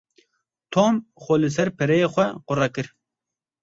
Tom xwe li ser pereyê xwe qure kir.